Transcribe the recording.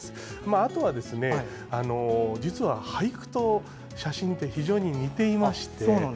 あとは、実は俳句と写真って非常に似ていまして。